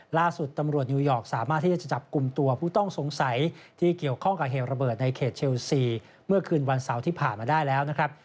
ล่าสุดตำรวจนิวยอร์กสามารถที่จะจับกลุ่มตัวผู้ต้องสงสัยที่เกี่ยวข้องกับเหตุระเบิดในเขตเชลซีเมื่อคืนวันเสาร์ที่ผ่านมาได้แล้วนะครับ